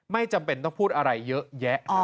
ไม่จำเป็นต้องพูดอะไรเยอะแยะ